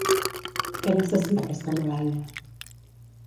Què necessita aquesta muralla?